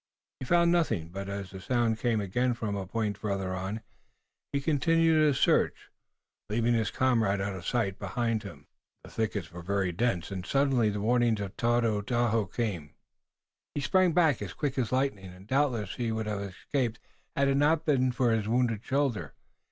He found nothing, but as the sound came again from a point farther on, he continued his search, leaving his comrade out of sight behind him. The thickets were very dense and suddenly the warning of Tododaho came. He sprang back as quick as lightning, and doubtless he would have escaped had it not been for his wounded shoulder.